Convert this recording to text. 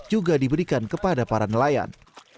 juga diberikan kepada para nelayan